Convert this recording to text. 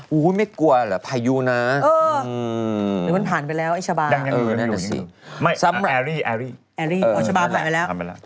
หูยไม่กลัวเหลอะพายูนะเออมันผ่านไปแล้วได้อยู่แอรี่ท่านเป็นแล้ว